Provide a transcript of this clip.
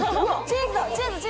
チーズだ！